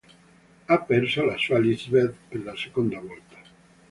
Ha perso la sua Lisbeth per la seconda volta.